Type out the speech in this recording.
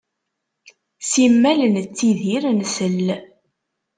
Simmal nettidir nsell.